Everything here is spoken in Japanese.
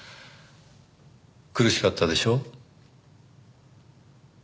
苦しかったでしょう。